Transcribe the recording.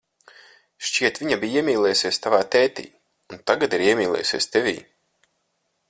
Šķiet, viņa bija iemīlējusies tavā tētī un tagad ir iemīlējusies tevī.